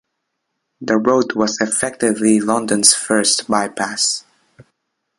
The road was effectively London's first bypass.